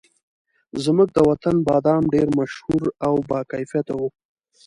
زموږ د وطن بادام ډېر مشهور او باکیفیته وو.